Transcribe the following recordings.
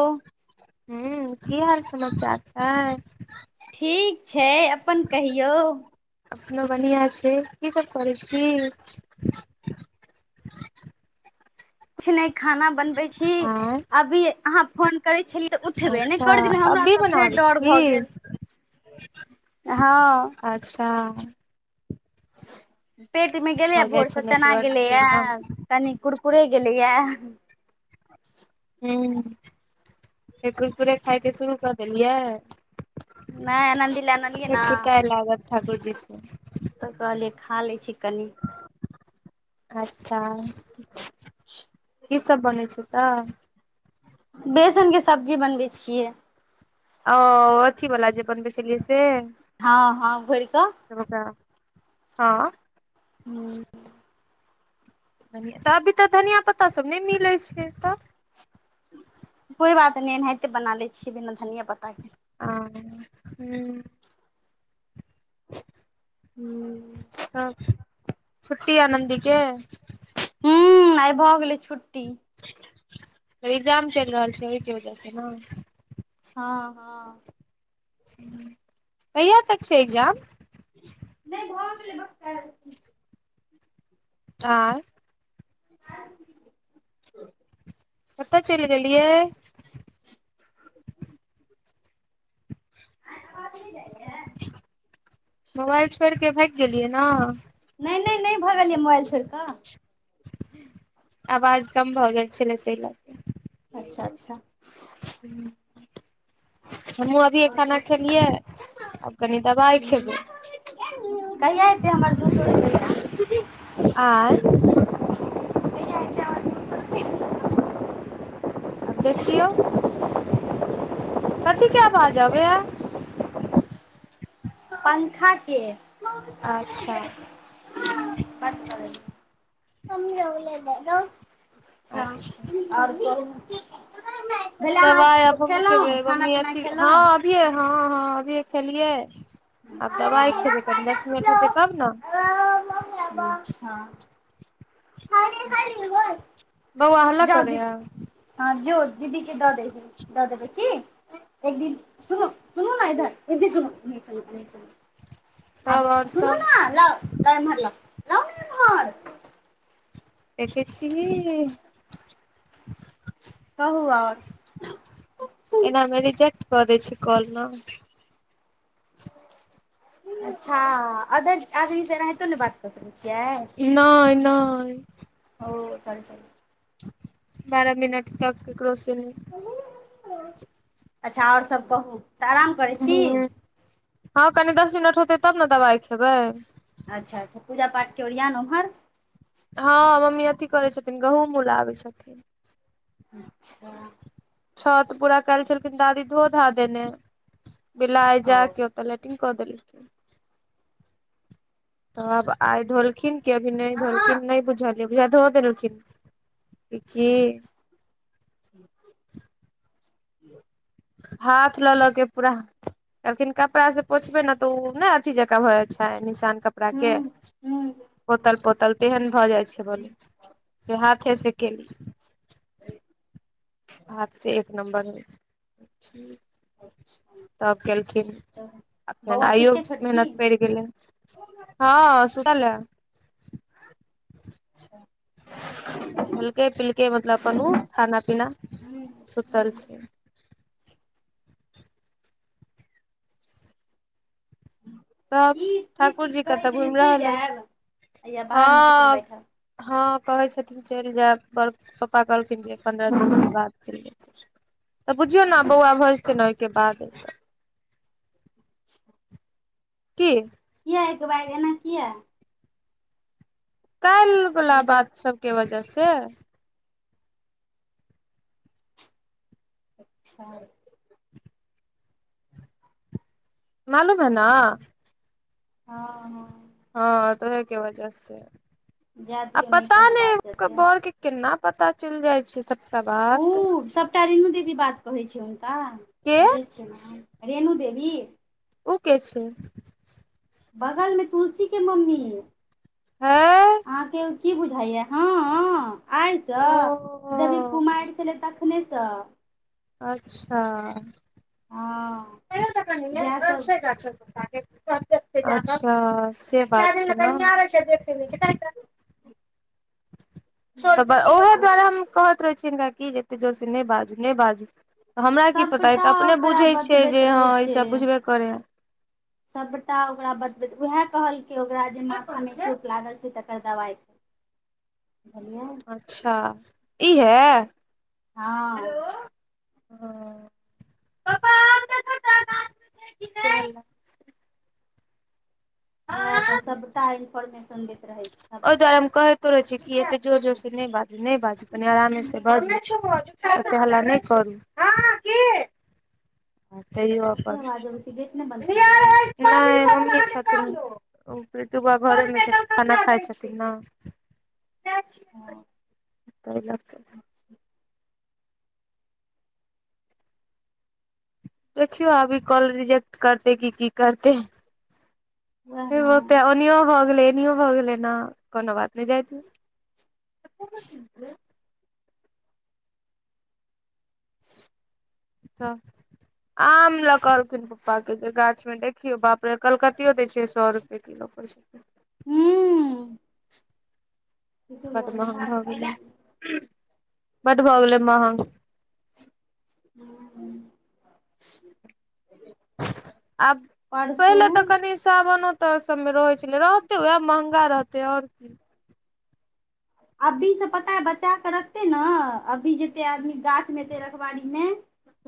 ओ हूं की हाल समाचार छै। ठीक छै अपन कहियौ। अपनो बढ़िआँ छै, की सब करै छी। किछ नहि खाना बनबै छी। आंय अभी अहाँ फोन- करै छलियै तऽ उठबे नहि अच्छा करै छलै हमरा अभी तऽ फेर बनाबै डर छी भऽ गेल हँ [unintelligible] पेट मे गेलैए हो जाइ भोरस छै चना नेटवर्क गेलैये ह कनि कुरकुरे गेलैये। हूं फेर कुरकुरे खायके शुरू कऽ देलियै। नहि आनन्दी लए आनलियै फेर ने पिटाय लागत ठाकुर जी स। तऽ कहलियै खा लैय छी कनि। अच्छा [unintelligible] कि सब बनै छैय तऽ? बेसन के सब्जी बनबै छियै। ओ अथी बला जे बनबै छलियै से। हँ हँ घोड़िक। फेर ओकरा हँ हूं कनियें तऽ अभी तऽ धनिया पत्तासभ नहि मिलैय छै तअ कोइ बात नइ, एनाहिते बना लै छियै बिना धनिंये पत्ता [unintelligible] [unintelligible] हूं- हं छुटृी आनंदी के? हूं आइ भऽ गेलै छुट्टी। एग्जाम चइल रहल छै ओइ क वजह से न हँ - हँ। कहिया तक छै एग्जाम? नइ भ गेलै गप कैल। आंय [inaudible] कतऽ चइल गेलियै? [unintelligible] मोबाइल छोइड़क भाइग गेलियै न? नै-नै-नै भगलिये मोबाइल छोइर क- अवाज कम भऽ गेल छलै तैं अच्छा - अच्छा। [unintelligible] हमहुूँ अभिये खाना खेलियै आब कनि दबाइ खेबै। कहिआ एतै हमर दू सौ रूपया? आंय आब देखियौ। कथी के आवाज आवे या? पंखा के। अच्छा [unintelligible] अच्छा आओर कहु भेले दवाइ अहाँ आब हमु खेलहुँ खेबे खाना मम्मी पीना अथि हँ खेलहुँ अभिये हँ हँ अभिये खेलियै आब दबाइ खेबै कनी दस मिनट होतै तब ने अच्छा [unintelligible] बौआ हल्ला जाउ दी करैया हँ जो दीदी के दऽ दही दऽ देबै की? एकदिन सुनू सुनू ने इधर [unintelligible] सुनू [unintelligible] तब आ आओर सुनू सब ने लाउ, लाउ इम्हर लाउ, लाउ ने इम्हर देखै छीही कहू और एना मे रिजेक्ट कऽ दै छै कॉल न अच्छा अदर्स आदमी स एनाहितो ने बात क सकै छियै? नइ नइ [unintelligible] बारह मिनट तक ककरो स भी [unintelligible] अच्छा आओर सब कहू तऽ आराम करै छी हुं- हँ कनि दस मिनट होतै तब ने दबाइ खेबै। अच्छा अच्छा पूजापाठ के ओरियान ओम्हर? हँ मम्मी अथि करै छथिन गहूंम उलाबै छथिन। अच्छा छत पूरा काइल छलखिन दादी धो धा देने, बिलाइ जा ओ के ओतऽ लैटिंग कऽ देलकै। तऽ आब आइ धोलखिन की अभी नहि धोलखिन नहि बुझलियै बुझाए धो देलखिन। कि- की हाथ लऽ लऽ के पूरा, कहलखिन कपड़ा से पोछबे ने तऽ उ नहि अथी जकाँ भऽ जाए छै य निशान कपड़ा के हूँ हूँ पोतल-पोतल तेहन भऽ जाइ छै बलु से हाथे से केली। अय हाथ से एक नंबर होइ छै। तब केलखिन, आ फेर बौआ ठीक आइयो छै छोटकी मेहनत पैड़ गेलैन हँ सुतल ऐं। अच्छा खलकै- पिलकै मतलब अपन उ खाना पीना ह सुतल छै। तब ई प्रीति ठाकुर जी कहै कतऽ छै जे घुमि चलि रहल हे जैब, हैया बाहरमे छथिन हँ बैठल। हँ कहै छथिन चलि जैब, पर पप्पा कहलखिन जे पन्द्रह दिनक के बाद। तऽ बुझियौ ने बौआ भऽ जेतै ने ओहिके बाद तऽ [inaudible] की किया एक बैग एना कियै। काइल बला हिनकर बात सबके वजह से। अच्छा मालूम हैं न हँ हँ कहै के वजह से। जाए आ दियौ नहि पता कोनो बात ओकर हेतै। बड़ के केना पता चलि जाइ छै स उं सबटा रेणु देवी बात कहै छय हुनका के बुझै छियै सन हम रेणु देवी उ के छै। बगल में तुलसी के मम्मी। हैं अहाँके उ की बुझाइयै हँऽ। आइसँ ओ जब जब इ कुमारि छलै तखनेसँ। अच्छा [unintelligible] हँ जएह सब अच्छा से बात छै नऽ। [unintelligible] तऽ ओहे दुआारे हम कहैत रहै छीयै, हिनका कि जे एतेक जोरसँ नहि बाजू-नहि बाजू। हमरा की पता इ सभटा तऽ अपने ओकरा बुझै छियै बतबैत जे हँ रहै ईसभ छै बुझबे करे यैं। सभटा ओकरा बतबैत, उएह कहलकै ओकरा जे माथामे चोट लागल छै तऽ ओकर दबाइके बुझलियै। अच्छा ईहै। हँ हं पप्पा आम देखत गाछ मे छै कि नहि। वैह त सबटा इन्फर्मेन संग दैत रहै। छै ओहि द्वारे सभटा हम कहैत रहै छै की एते जोर जोर से नै बाजू। नहि बाजू कनि आरामे से बाजू एते हल्ला नहि करू। आ तैयो कते अपन आवाज अबै छै गेट नहि बन्द केलियै नहि हम नै किछु प्रितु बाबा घरमे खाना खाई छै। पसीना, ठीक न देखियौ आब ई कॉल रिजेक्ट करतै कि की करतै वएह ने ह ते ओनाइयो भऽ गेलै एनाइयो भऽ गेलै ने, कोनो बात नो जाय दियौ। त आम ल क ऐलखिन पप्पा के जे गाछ मे देख देखियौ बाप रे कलकतियो दै छै सौ रुपए किलो पर। हुं। बड महग हो गेलै, बड भऽ गेले महग। [inaudible] आब, परसू पहिले तऽ कनि सावन तऽ सभमे रहै छलै रहतै वैह महंगा रहतै और की। अभी से बचा बचा के रखतै ने अभी जेतै आदमी गाछ मे दे रखवारी मे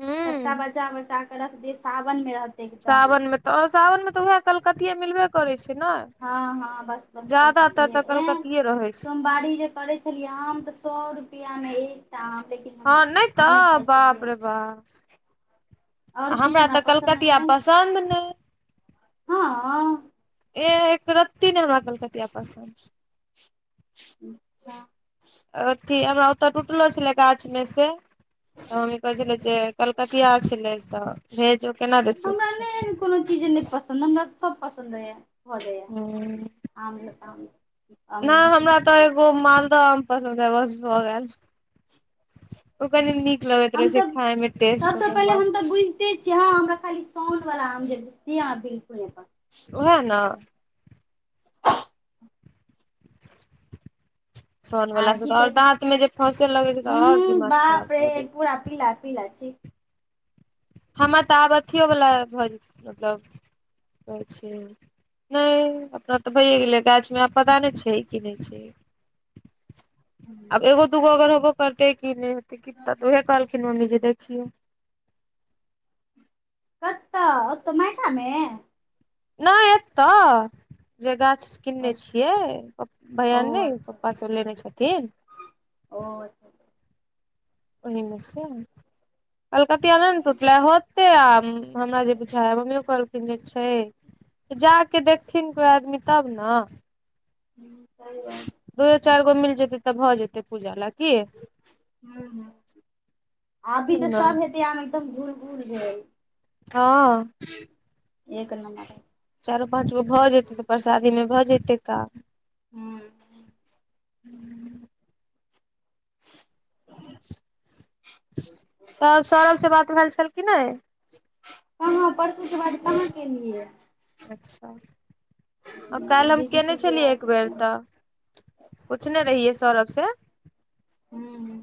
हूं बचा बचा के रखतै सावन मे रहतै सावन मे तऽ, सावन मे तऽ वैह कलकतिए मिलबे करै छै नै। हँ हँ बस बस कलकतिये, ह ए कलकतिये रहै छै सोमवारी जे करै छै छलियै आम तऽ सौ रुपआ मे एक [unintelligible] हँ नहि तऽ बाप रे बाप। आओर आ हमरा किछु तऽ पसन्द कलकतिया नहि पसन्द नै। हँ एह एक रती नै हमरा कलकतिआ पसिन। अछा [unintelligible] अथी हमरा ओतऽ टुटलो छलै गाछ। मे से [unintelligible] तऽ हमही कहने छलै जे कलकतिया छलै तऽ भेजू केना देतौ हमरा नहि एहन कोनो चीज नहि पसंन्द हमरा सब पसन्द ह भऽ जाय। हुं। आबलब [unintelligible] नहि हमरा तऽ एगो मालदह पसन्द है बस भऽ गेल। ओ कनी नीक लगैत रहे हम छै खाय मे टेस्ट ओकर मस्त। कहै छियै अहां हमरा खाली साउंड लगा देब बिलकुल। रह ने। ह [inaudible] सन आ वाला से की तऽ आओर कहै छै दाँत मे जे फँसे लगे छै तऽ आओर ह दिमाग खराब बाप रे कऽ दै पूरा पीला पीला छी। हमरा तऽ आब अथिये वला भऽ जेतै मतलब नहि अपना तऽ भैए गेलै गाछ में आब पता नहि छै कि नहि छै। [inaudible] आब एगो दूगो अगर हेबो करतै की नहि हेते क तऽ उहे कहलखिन मम्मी जे देखियो कत तऽ तऽमाय कमे ह [unintelligible] नहि एत तऽ जे गाछ स्किन मे छियै ओ भैया सब नहि अच्छा पप्पा सब लेने छथिन। ओ। ओहिमे सुन। कलकतिया नैने न टूटले, होते आब हमरा जे पुछाय ह, मम्मीयो कहलखिन जे छै। जाके देखथिन कोइ आदमी तब ने। [unintelligible] दूओ चारि गो मिल जेतै तऽ भऽ जेतै पूजा लए, की यै। आब भी तऽ साढे एकदम घुर- घुर जाय हे। हँ। एक नम्बर। चारो पाँच गो भऽ जेतै, तऽ परसादीमे भऽ जेतै काम। हूं। तब सौरभ से बात भेल छलखि नै? कहाँ परसू के बाद कहाँ केलियै हे। अच्छा, आ काल्हि हम बिजी केने तिजी छलियै रहै एक बेर छथिन हूँ तऽ। पुछने रहियै सौरभ से। हूं।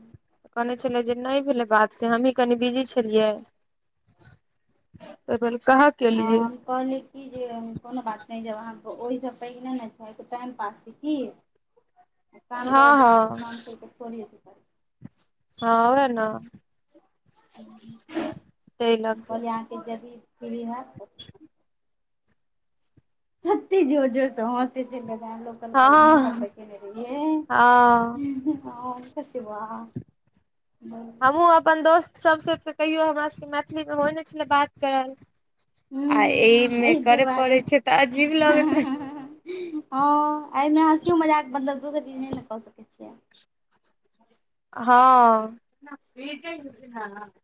कहने छलै जे नहि भेलै बात, से हमही कनि बिजी छलियै। एहिबेर कहाँ के लिए। कहलीयै कि जे कोनो बात नै, जब अहाँके ओहिसँ पहिने ने छै, टाइम पास छै की। काम हँ रहत तऽ हँ लोको काम छोरके थोड़ जेतै। हँ, वैह न। ताहि लऽ के कहलिये अहाँके जदि फ्री हैत कति जोर -जोर से हंसै लोकल बोल नम्बर पर हँ केने रहिये, हँ शि वह ब [inaudible] हमहूँ अपन दोस्तसभसँ, तऽ कहियो हमरासके मैथिली में, होइ नहि छलै बात करैल। आ हूं अयमें एहि करऽ दुआरे पड़ै छै, तऽ आजीब लगै छै। हँ एहिमें हँसियो मजाक मलब दोसर चीज नहि ने कऽ सकैत छियै। हँ।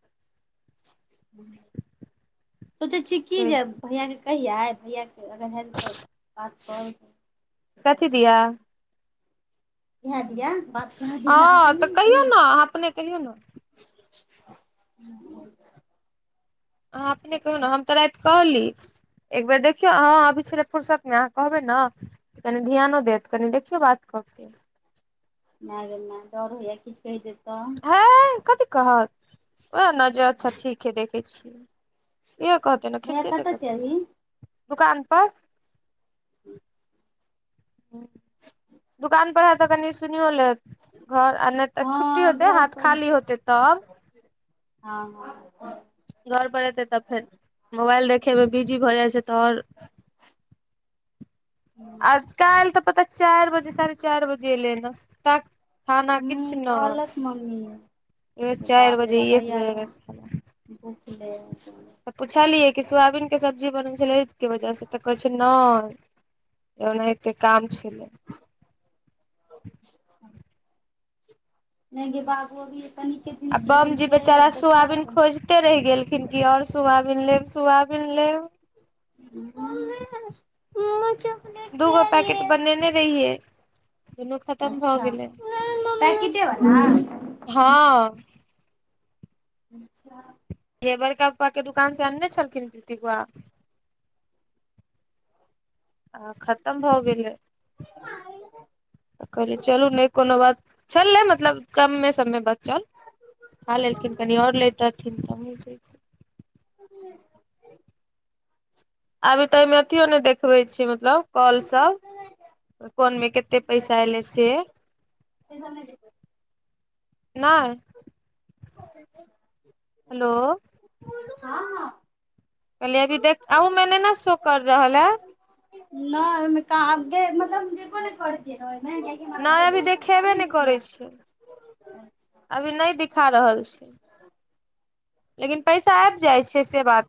सोचै छीयै कि जैब। भैयाके कहिये, भैयाके अगर हेल्थ तऽ बात कर कथि दियऽ। इएह दिया। करा दिया हँ तऽ ई कहियौ नें आहां अपने कहियौ ने। [inaudible] अहाँ अपने कहियो ने, हम तऽ राति कहली, एक बेर देखियौ अह अभी छल फ़ुरसत में। कहबै ने तऽ कनि ध्यानो देत, कनि देखियौ बात कऽके। माय -गेमाय डर होइया किछु कहि देत तऽ। है, कथी कहत उह नै जे अच्छा ठीक है देखे छियै। इह कहते ने भैया खिसयेते कतऽ छै कथीले अभी दुकान पर [inaudible] दुकान पर हैत तऽ कनि सुनियो लेत। घऽर आनत तऽ छुट्टी हँ होते घर हाथ खाली होते तब। हाँ-। हाँ घर पर एयतै, तऽ फेर मोबाइल देखयमे बिजी भऽ जाइ छैय तऽ और। हँ आ काइल तऽ पता चार बजे साढ़े चार बजे एलै नस्ता। हूं कहलक मम्मी। ए चारि बाप रे बजे बाप एक भैया बेर रौ एलै खाइलैं। भुखले ऐंल छल। तऽ पुछलियै कि सोआबीनके सब्जी बनै छलैये अय वजह से, तऽ कहै छैय नहि। ओनाहिते काम छलै। नहि गे बाबु अभी कनि आ बम जी बेचारा सोआबीन खोइज -ते रहि गेलखिन कि और सोआबीन लेब-सोआबीन लेब। मम्मी मुझे दूगो पैकेट बनेने रहिए। अच्छा पैकिटे बला। हाँ अच्छा ए बड़का पप्पा के दुकान से अन्ने छलखिन प्रीति बउआ। आ खत्तम भऽ गेलै, तऽ कहलीयै चलू नहि कोनो बात। छलै मतलब कम्मे- सम्मे बचल, खा लेलखिन कनि आओर लैतथिन। कम्मे छै। [unintelligible] अभी तऽ अयमे अथियो नहि देखबै छय, मतलब काॅल सब। कोनमे केते पैसा एलै से। उ सब नहि देखबै नहि हेलो हाँ कहलियए अभी देख, अहुं मे नहि न शो कर रहल ऐं। नहि ओहिमे कहा अपडे, मतलब जेबो नहि करै छियै न ओय मे। नहि अभी देखेबे नहि करै छै, अभी नहि दिखा रहल छय लेकिन पैसा आबि जाइ छैय से बात।